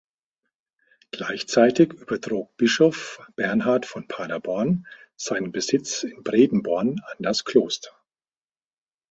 Gleichzeitig übertrug Bischof Bernhard von Paderborn seinen Besitz in Bredenborn an das Kloster.